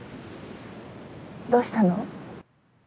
どうしたの？